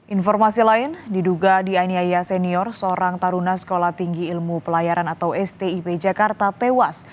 informasi lain diduga dianiaya senior seorang taruna sekolah tinggi ilmu pelayaran atau stip jakarta tewas